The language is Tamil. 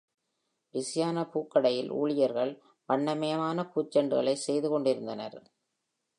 பிஸியான பூக்கடையில் ஊழியர்கள் வண்ணமயமான பூச்செண்டுகளை செய்துகொண்டிருந்தனர்.